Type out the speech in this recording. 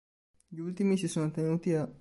Gli ultimi si sono tenuti a